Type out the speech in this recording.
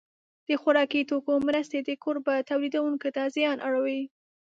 د خوراکي توکو مرستې د کوربه تولیدوونکو ته زیان اړوي.